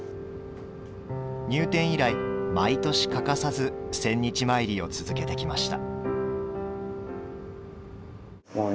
入店以来、毎年欠かさず千日詣りを続けてきました。